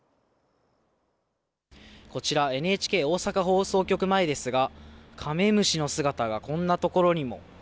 こちらＮＨＫ大阪放送局前ですがカメムシの姿がこんなところにも。